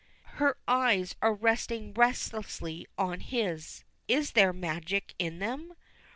Her eyes are resting relentlessly on his. Is there magic in them?